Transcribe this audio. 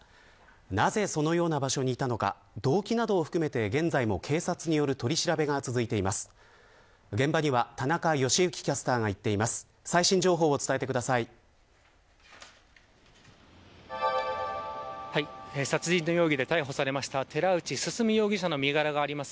なぜそのような場所にいたのか動機なども含めて現在も警察による取り調べが続いています。